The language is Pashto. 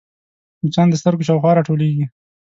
مچان د سترګو شاوخوا راټولېږي